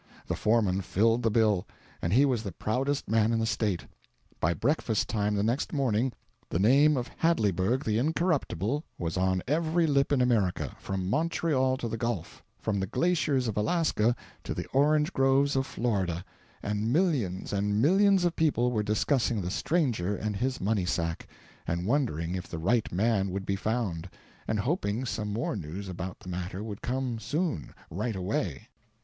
The foreman filled the bill; and he was the proudest man in the State. By breakfast time the next morning the name of Hadleyburg the Incorruptible was on every lip in America, from Montreal to the Gulf, from the glaciers of Alaska to the orange groves of Florida; and millions and millions of people were discussing the stranger and his money sack, and wondering if the right man would be found, and hoping some more news about the matter would come soon right away.